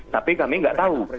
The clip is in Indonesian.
tapi kami nggak tahu